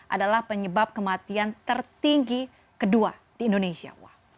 adalah penyebab kematian tertinggi kedua di indonesia